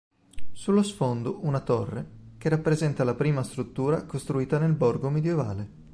Sullo sfondo, una torre, che rappresenta la prima struttura costruita nel borgo medioevale.